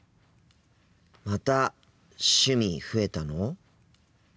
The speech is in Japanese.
また趣味増えたの！？